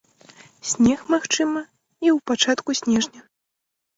Снег магчымы і ў пачатку снежня.